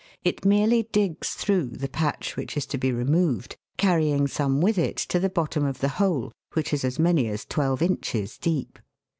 It merely digs through the patch which is to be removed, carrying some with it to the bottom of the hole, which is as many as twelve inches deep.